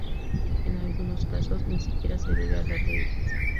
En algunos casos, ni siquiera se debe hablar de ellas.